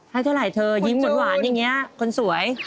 ให้เท่าไหร่เธอยิ้มหวานอย่างนี้คนสวย